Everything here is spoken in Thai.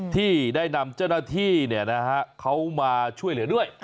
ที่ได้นำเจ้าหน้าที่เขามาช่วยเหลือด้วย